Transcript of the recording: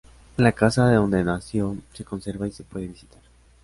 La casa donde nació se conserva y se puede visitar.